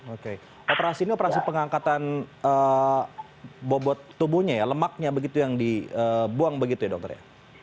oke operasi ini operasi pengangkatan bobot tubuhnya ya lemaknya begitu yang dibuang begitu ya dokter ya